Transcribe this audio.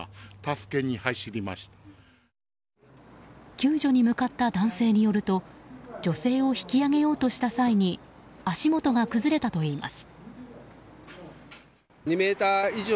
救助に向かった男性によると女性を引き上げようとした際に足元が崩れたといいます。